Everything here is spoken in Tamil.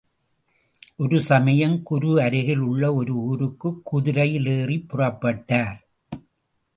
ஒருசமயம் குரு அருகில் உள்ள ஒரு ஊருக்குக் குதிரையில் ஏறிப் புறப்பட்டார்.